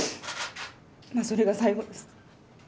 それが最後です。